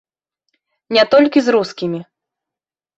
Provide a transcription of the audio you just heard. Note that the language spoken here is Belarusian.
Не толькі з рускімі.